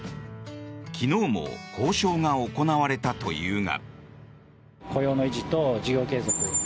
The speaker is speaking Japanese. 昨日も交渉が行われたというが。